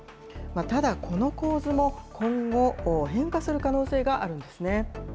ただ、この構図も今後、変化する可能性があるんですね。